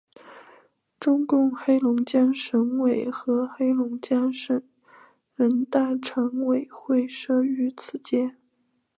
中共黑龙江省委和黑龙江省人大常委会设于此街。